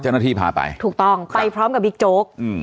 เจ้าหน้าที่พาไปถูกต้องไปพร้อมกับบิ๊กโจ๊กอืม